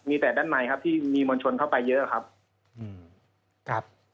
มีแต่ด้านในครับที่มีมณชนเข้าไปเยอะครับ